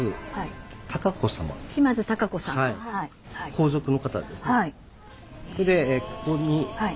皇族の方ですね。